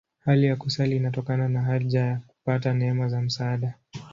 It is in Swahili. Haja ya kusali inatokana na haja ya kupata neema za msaada.